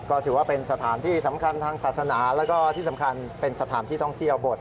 ก็ถือว่าเป็นสถานที่สำคัญทางศาสนาแล้วก็ที่สำคัญเป็นสถานที่ท่องเที่ยวบท